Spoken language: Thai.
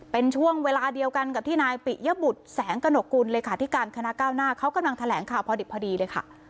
เป็นช่วงเวลาเดียวกันกับที่นายปิยบุตรแสงกระหนกกุลเลขาธิการคณะก้าวหน้าเขากำลังแถลงข่าวพอดิบพอดีเลยค่ะ